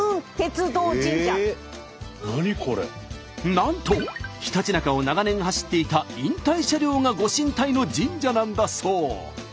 なんとひたちなかを長年走っていた引退車両が御神体の神社なんだそう。